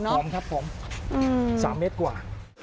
ผอมครับผอม๓เมตรกว่า